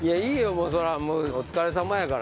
もうそれはお疲れさまやから。